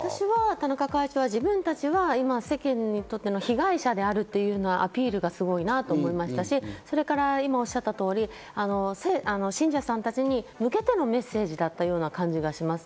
田中会長は、今世間にとっての被害者であるというアピールがすごいと思いましたし、今おっしゃった通り、信者さんたちに向けてのメッセージだったような感じがします。